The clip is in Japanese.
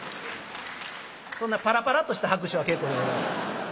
そんなパラパラとした拍手は結構でございます。